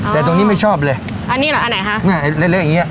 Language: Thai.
แต่ตรงนี้ไม่ชอบเลยอันนี้เหรออันไหนฮะเนี่ยเละอย่างเงี้